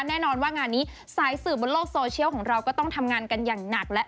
แน่นอนว่างานนี้สายสืบบนโลกโซเชียลของเราก็ต้องทำงานกันอย่างหนักแล้ว